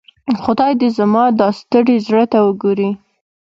خدای دي زما دا ستړي زړۀ ته وګوري.